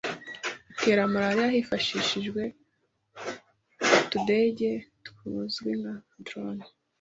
itera malaria hifashishijwe utudege tuzwi nka 'drones'